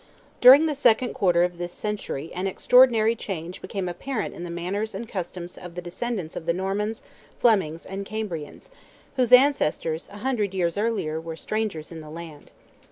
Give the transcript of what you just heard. During the second quarter of this century, an extraordinary change became apparent in the manners and customs of the descendants of the Normans, Flemings, and Cambrians, whose ancestors an hundred years earlier were strangers in the land.